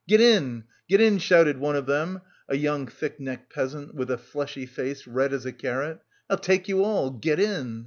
"Get in, get in!" shouted one of them, a young thick necked peasant with a fleshy face red as a carrot. "I'll take you all, get in!"